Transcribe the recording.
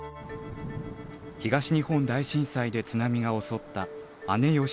東日本大震災で津波が襲った姉吉地区。